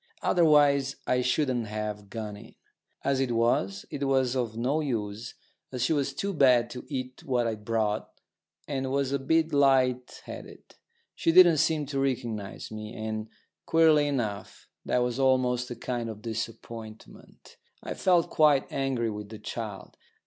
Otherwise I shouldn't have gone in. As it was, it was of no use, as she was too bad to eat what I'd brought, and was a bit light headed. She didn't seem to recognise me; and, queerly enough, that was almost a kind of disappointment. I felt quite angry with the child.